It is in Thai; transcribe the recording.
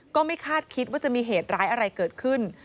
ก็ไม่คาดคิดว่าจะมีเหตุร้ายอะไรเกิดขึ้น